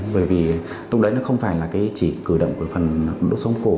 bởi vì lúc đấy nó không phải là cái chỉ cử động của phần đốt sống cổ